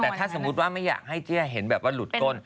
แต่ถ้าสมมุติว่าไม่อยากให้เจี้ยเห็นแบบว่าหลุดก้น